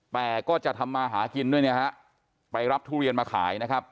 แต่ก็จะทำมาหากินด้วยเนี่ยฮะไปรับทุเรียนมาขายนะครับ